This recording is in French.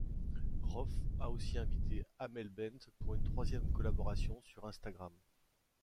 Rohff a aussi invité Amel Bent pour une troisième collaboration sur Instagram.